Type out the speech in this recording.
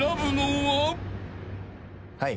はい。